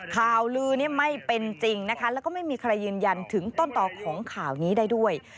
ข่าวลือนี้ไม่เป็นจริงนะคะแล้วก็ไม่มีใครยืนยันถึงต้นต่อของข่าวนี้ได้ด้วย